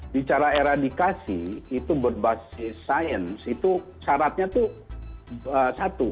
bicara eradikasi itu berbasis sains itu syaratnya itu satu